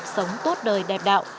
sống tốt đời đẹp đạo